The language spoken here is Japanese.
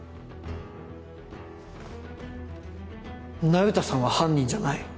那由他さんは犯人じゃない